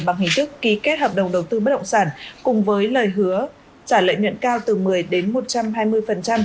bằng hình thức ký kết hợp đồng đầu tư bất động sản cùng với lời hứa trả lợi nhuận cao từ một mươi đến một trăm hai mươi